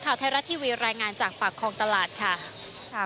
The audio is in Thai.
ข่าวไทยรัฐทีวีรายงานจากปากคลองตลาดค่ะ